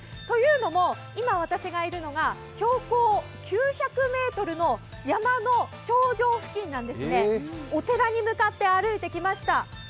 というのも今私がいるのは標高９００ｍの山の頂上付近なんですね。お寺に向かって歩いてきました。